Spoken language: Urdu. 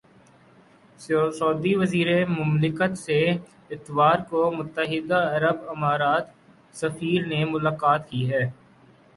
سعودی وزیر مملکت سے اتوار کو متحدہ عرب امارات سفیر نے ملاقات کی ہے